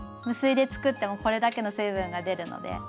無水で作ってもこれだけの水分が出るので。